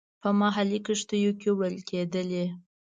په محلي کښتیو کې وړل کېدلې.